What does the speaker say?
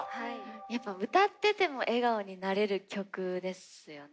やっぱ歌ってても笑顔になれる曲ですよね